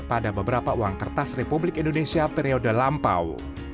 pada beberapa uang kertas republik indonesia periode lampau